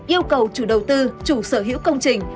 yêu cầu chủ đầu tư chủ sở hữu công trình